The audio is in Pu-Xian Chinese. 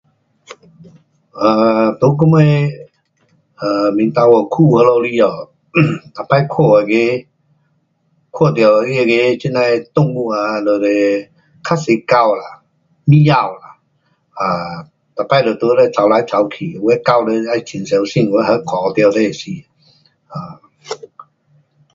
um 在我们 um 民达华区那里里下，um 每次看那个，看到它那个这呐的动物 um 就是较多狗啦，喵啦，um 每次就在这跑来跑去，有的狗你要很小心，有的给它咬了你会死。um